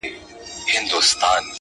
• چي ستا تر تورو غټو سترگو اوښكي وڅڅيږي.